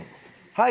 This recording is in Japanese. はい。